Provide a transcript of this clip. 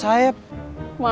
kalau saya leah sama rosa aman